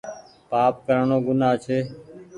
پآپ ڪرڻو گناه ڇي